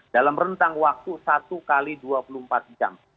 dalam rentang waktu satu x dua puluh empat jam